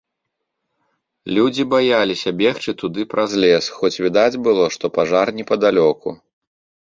Людзі баяліся бегчы туды праз лес, хоць відаць было, што пажар непадалёку.